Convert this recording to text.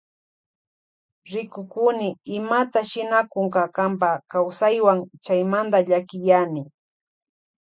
Rikukuni imata shinakunk kanpa kawsaywan chaymanta llakiyani.